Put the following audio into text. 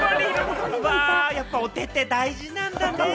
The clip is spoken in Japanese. やっぱり、おてては大事なんだね。